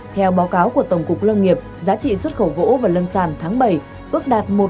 theo báo cáo của tổng cục lâm nghiệp giá trị xuất khẩu gỗ và lâm sàn tháng bảy ước đạt một bốn mươi một tỷ usd